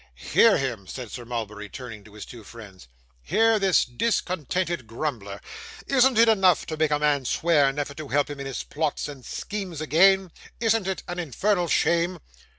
'Hear him,' said Sir Mulberry, turning to his two friends. 'Hear this discontented grumbler. Isn't it enough to make a man swear never to help him in his plots and schemes again? Isn't it an infernal shame?